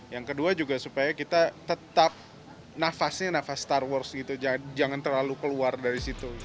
yang kedua juga supaya kita tetap nafasnya nafas star wars gitu jangan terlalu keluar dari situ